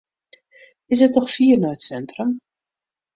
Is it noch fier nei it sintrum?